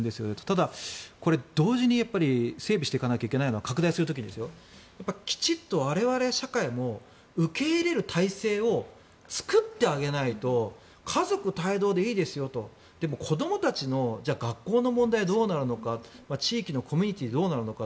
ただ、これ同時に拡大する時に整備していかなきゃいけないのはきちんと我々社会も受け入れる体制を作ってあげないと家族帯同でいいですよとでも、子どもたちの学校の問題はどうなるのか地域のコミュニティーどうなるのか。